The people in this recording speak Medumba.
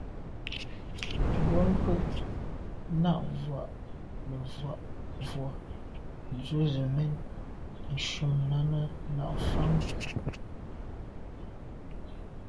Bwɔ́ŋkə̂’ nɑ̂’ vwá’ nə̀ vwá’ vwɑ́’ dzwə́ zə̄ mɛ̂n shûn Náná ná’ fáŋə́.